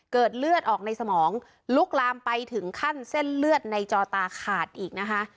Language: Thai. เลือดออกในสมองลุกลามไปถึงขั้นเส้นเลือดในจอตาขาดอีกนะคะ